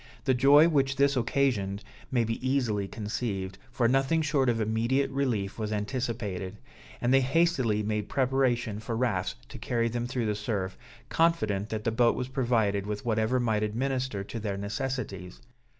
The joy which this occasioned may be easily conceived, for nothing short of immediate relief was anticipated; and they hastily made preparation for rafts to carry them through the surf, confident that the boat was provided with whatever might administer to their necessities.